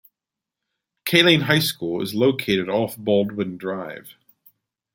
Kaleen High School is located off Baldwin drive.